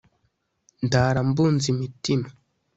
ndara mbunza imitima